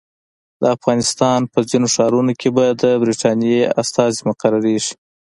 د افغانستان په ځینو ښارونو کې به د برټانیې استازي مقرریږي.